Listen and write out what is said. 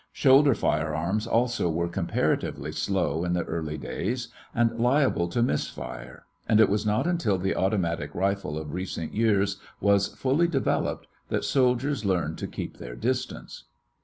Shoulder firearms also were comparatively slow in the early days, and liable to miss fire, and it was not until the automatic rifle of recent years was fully developed that soldiers learned to keep their distance.